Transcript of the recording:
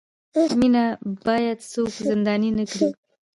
مینه باید څوک زنداني نه کړي.